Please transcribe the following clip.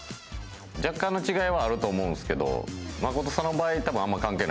若干の違いはあると思うんですけどマコトさんの場合多分あんま関係ないと思います。